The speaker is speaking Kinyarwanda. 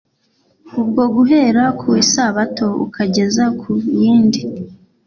ubwo «Guhera ku Isabato ukageza ku yindi`»